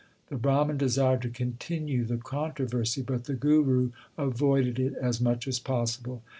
The Brahman desired to continue the controversy, but the Guru avoided it as much as possible.